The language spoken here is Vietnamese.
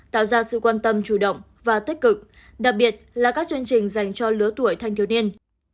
tạo ra sự quan tâm chủ động và tích cực đặc biệt là các chương trình dành cho lứa tuổi thanh thiếu niên